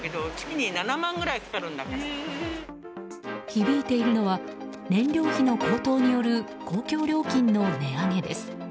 響いているのは燃料費の高騰による公共料金の値上げです。